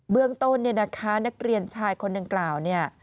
เรื่องต้นเนี่ยนะคะนักเรียนชายคนดังกล่าวเนี่ย